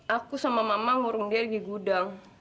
aku sama mama ngurung dia di gudang